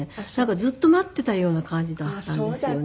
ずっと待っていたような感じだったんですよね。